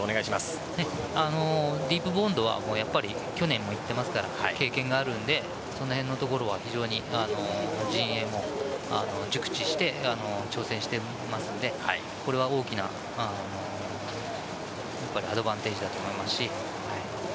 ディープボンドは去年も行っていますから経験があるのでその辺のところは、非常に陣営も熟知して挑戦していますのでこれは大きなアドバンテージだと思いますし。